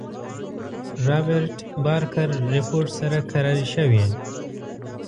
رابرټ بارکر رپوټ سره کراري شوې.